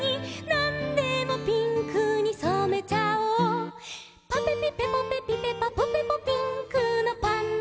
「なんでもピンクにそめちゃおう」「ぱぺぴぺぽぺぴぺぱぷぺぽピンクのパンダ」